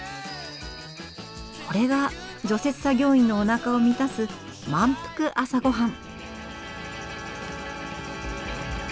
これが除雪作業員のおなかを満たす満腹朝ごはん。